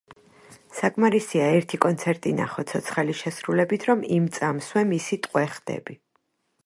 საკმარისია ერთი კონცერტი ნახო ცოცხალი შესრულებით, რომ იმ წამსვე მისი ტყვე ხდები.